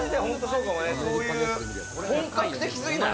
本格的すぎない？